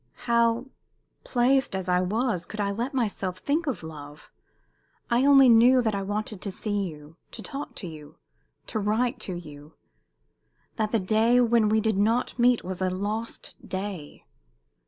"How, placed as I was, could I let myself think of love? I only knew that I wanted to see you, to talk to you, to write to you that the day when we did not meet was a lost day.